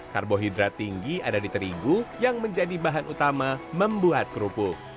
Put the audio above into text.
karbohidrat tinggi ada di terigu yang menjadi bahan utama membuat kerupuk